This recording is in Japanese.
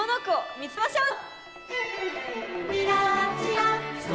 見つけましょうぞ！